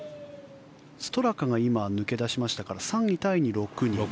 ストラカが今、抜け出しましたから３位タイに６人。